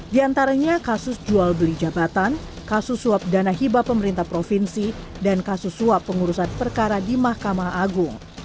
di antaranya kasus jual beli jabatan kasus suap dana hibah pemerintah provinsi dan kasus suap pengurusan perkara di mahkamah agung